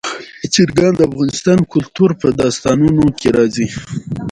چرګان د افغان کلتور په داستانونو کې راځي.